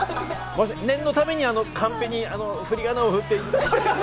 念のため、カンペにふりがなを振っていただけると。